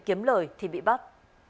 kiếm lời thì bị bắt